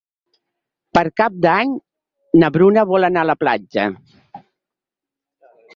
Per Cap d'Any na Bruna vol anar a la platja.